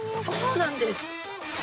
そうなんです。